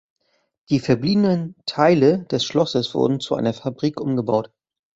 Die verbliebenen Teile des Schlosses wurden zu einer Fabrik umgebaut.